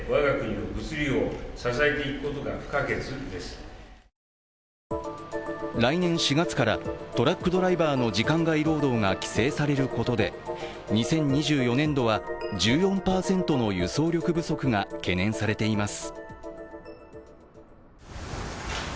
先週政府は来年４月からトラックドライバーの時間外労働が規制されることで２０２４年度は１４％の輸送力不足が懸念されています。